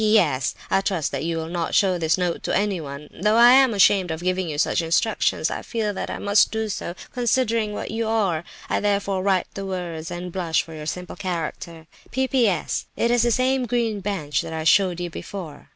"P.S.—I trust that you will not show this note to anyone. Though I am ashamed of giving you such instructions, I feel that I must do so, considering what you are. I therefore write the words, and blush for your simple character. "P.P.S.—It is the same green bench that I showed you before.